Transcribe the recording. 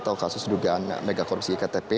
atau kasus dugaan megakorupsi iktp